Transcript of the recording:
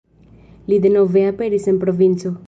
Li denove aperis en provinco.